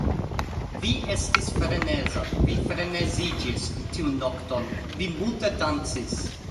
Vi estis freneza. Vi freneziĝis tiun nokton. Vi multe dancis!